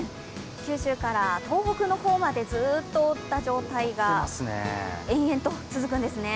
九州から東北の方までずっと覆った状態が延々と続くんですね。